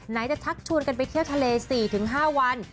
จะชักชวนกันไปเที่ยวทะเล๔๕วัน